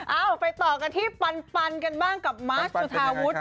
เอาไปต่อกันที่ปันกันบ้างกับมาสสุธาวุฒิ